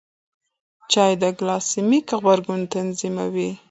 چای د ګلاسیمیک غبرګون تنظیموي.